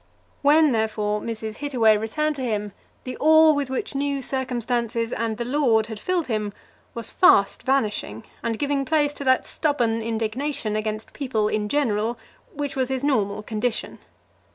When, therefore, Mrs. Hittaway returned to him, the awe with which new circumstances and the lord had filled him was fast vanishing, and giving place to that stubborn indignation against people in general which was his normal, condition.